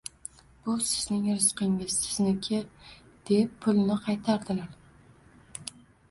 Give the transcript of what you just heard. Bu sizning rizqingiz, sizniki, – deb pulni qaytardilar.